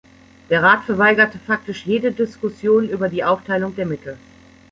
Der Rat verweigerte faktisch jede Diskussion über die Aufteilung der Mittel.